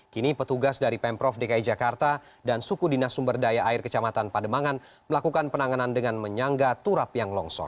kini petugas dari pemprov dki jakarta dan suku dinas sumber daya air kecamatan pademangan melakukan penanganan dengan menyangga turap yang longsor